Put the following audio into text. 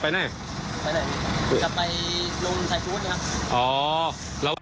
ปิดหน้าล็อก